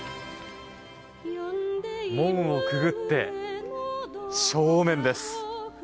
門をくぐって正面です。